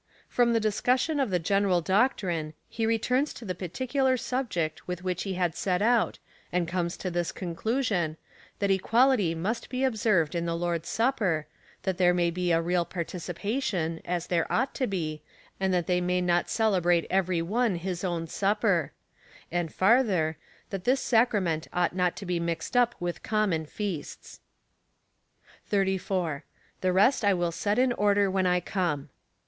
From the discussion of a general doctrine, he returns to the particular subject with which he had set out, and comes to this conclusion, that equality must be observed in the Lord's Supper, that there may be a real participation, as there ought to be, and that they may not celebrate every one his own supper ; and farther, that this sacrament ought not to be mixed up with common feasts. 34. The rest I will set in order when I come.